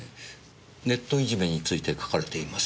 ネットいじめについて書かれています。